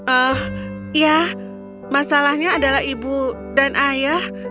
oh ya masalahnya adalah ibu dan ayah